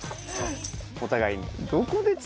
お互いに。